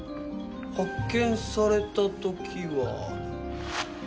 発見された時は。